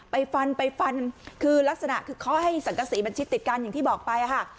ไปฟันไปฟันคือลักษณะคือเคาะให้สังกษีมันชิดติดกันอย่างที่บอกไปค่ะ